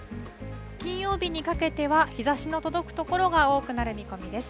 金曜日にかけては、日ざしの届く所が多くなる見込みです。